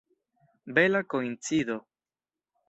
Bela koincido!